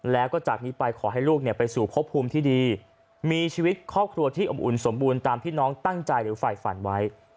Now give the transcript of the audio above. แล้วก็จากนี้ไปขอให้ลูกไปสู่พบภูมิที่ดีมีชีวิตครอบครัวที่อบอุ่นสมบูรณ์ตามที่น้องตั้งใจหรือฝ่ายฝันไว้